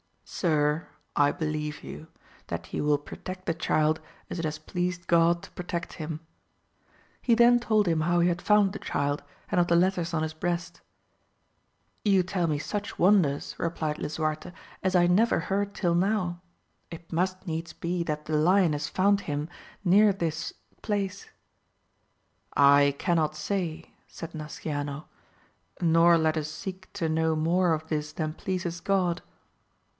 Sir I believe you, that you will protect the child as it has pleased God to protect him ! he then told him how he had found the child, and of the letters on his breast. You tell me such wonders, replied Lisuftrte, as I never heard till now : it must needs be that the lioness found him near this VOL. II. 17 258 AMADIS OF GAUL. place. I cannot say, said Nasciano, nor let us seek to know more of this than pleases God.